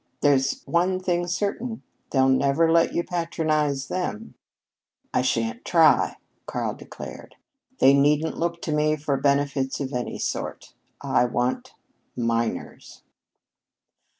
There's one thing certain, they'll never let you patronize them." "I shan't try," declared Karl. "They needn't look to me for benefits of any sort. I want miners."